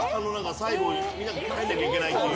最後みんな帰んなきゃいけないっていう。